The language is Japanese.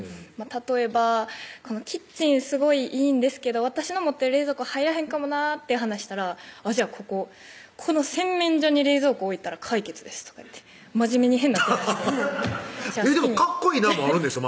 例えば「このキッチンすごいいいんですけど私の持ってる冷蔵庫入らへんかもな」って話したら「じゃあこここの洗面所に冷蔵庫置いたら解決です」とか言って真面目に変な提案でも「かっこいいな」もあるんでしょ？